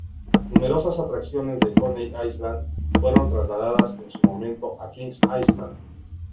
Numerosas atracciones de Coney Island fueron trasladadas en su momento a Kings Island.